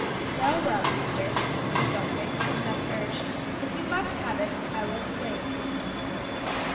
"Well, well, sister," said Dominick, when thus urged; "if you must have it, I will explain."